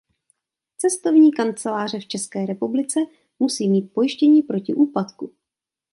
Cestovní kanceláře v České republice musí mít pojištění proti úpadku.